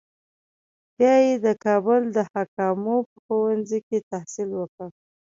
بیا یې د کابل د حکامو په ښوونځي کې تحصیل وکړ.